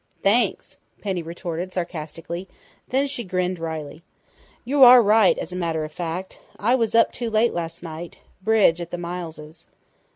"Thanks!" Penny retorted sarcastically; then she grinned wryly. "You are right, as a matter of fact. I was up too late last night bridge at the Mileses'."